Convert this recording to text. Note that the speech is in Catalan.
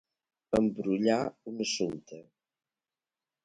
Embrollar un assumpte.